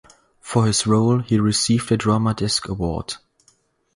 For his role, he received a Drama Desk Award.